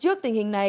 trước tình hình này